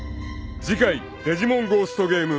［次回『デジモンゴーストゲーム』］